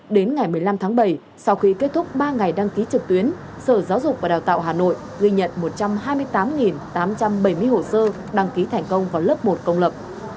đến ngày một mươi năm tháng bảy sau khi kết thúc ba ngày đăng ký trực tuyến sở giáo dục và đào tạo hà nội ghi nhận một trăm hai mươi tám tám trăm bảy mươi hồ sơ đăng ký thành công vào lớp một công lập